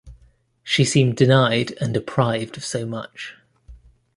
She seemed denied and deprived of so much.